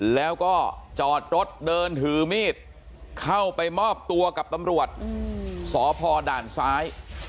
แล้วก็จอดรถเดินถือมีดเข้าไปมอบตัวกับตำรวจสพด่านซ้าย